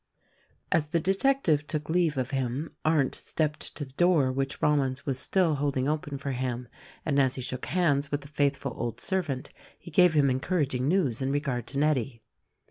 As the detective took leave of him Arndt stepped to the door which Rollins was still holding open for him, and as he shook hands with the faithful old servant he gave him encouraging news in regard to Nettie.